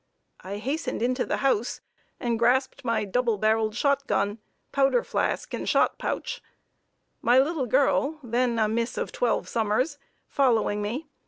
I hastened into the house and grasped my double barreled shotgun, powder flask and shot pouch; my little girl, then a miss of twelve summers, following me.